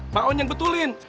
mbak on yang betulin